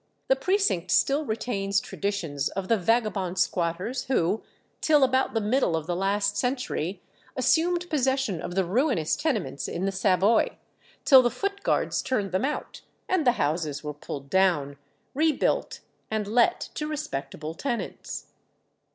The Precinct still retains traditions of the vagabond squatters who, till about the middle of the last century, assumed possession of the ruinous tenements in the Savoy, till the Footguards turned them out, and the houses were pulled down, rebuilt, and let to respectable tenants.